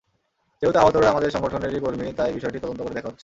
যেহেতু আহতরা আমাদের সংগঠনেরই কর্মী, তাই বিষয়টি তদন্ত করে দেখা হচ্ছে।